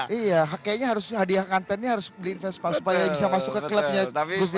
kayaknya harus hadiah kantannya harus beli vespa supaya bisa masuk ke klubnya gus imin